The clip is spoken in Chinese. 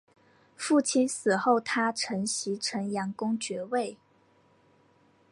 父亲死后他承袭城阳公爵位。